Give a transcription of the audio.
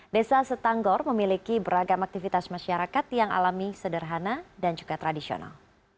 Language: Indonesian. desa setanggor memiliki beragam aktivitas masyarakat yang alami sederhana dan juga tradisional